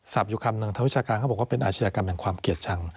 อยู่คำหนึ่งทางวิชาการเขาบอกว่าเป็นอาชญากรรมแห่งความเกลียดชัง